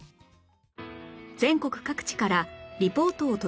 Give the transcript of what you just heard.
全国各地からリポートを届けています